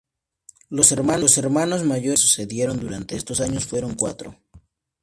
Los Hermanos Mayores que se sucedieron durante estos años fueron cuatro.